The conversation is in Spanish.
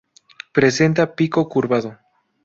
Presenta pico curvado.